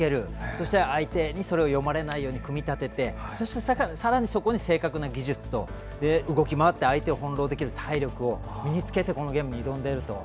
そして、相手にそれを読まれないように組み立ててそしてさらにそこに正確な技術と動き回って相手を翻弄できる体力を身に着けてこのゲームに挑んでいると。